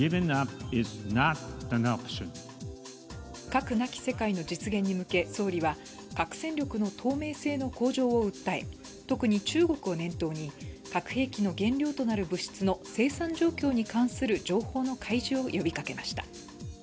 核なき世界の実現に向け総理は、核戦力の透明性の向上を訴え特に中国を念頭に核兵器の原料となる物質の生産状況に関する情報の開示を呼びかけました。